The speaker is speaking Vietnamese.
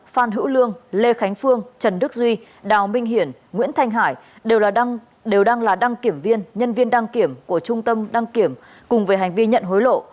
phan hữu lương lê khánh phương trần đức duy đào minh hiển nguyễn thanh hải đều đang là đăng kiểm viên nhân viên đăng kiểm của trung tâm đăng kiểm cùng về hành vi nhận hối lộ